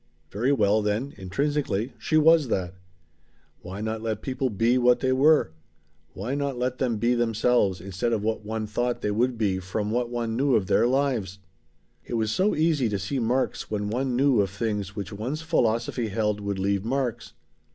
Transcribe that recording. Very well then, intrinsically, she was that. Why not let people be what they were? Why not let them be themselves, instead of what one thought they would be from what one knew of their lives? It was so easy to see marks when one knew of things which one's philosophy held would leave marks.